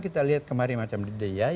kita lihat kemarin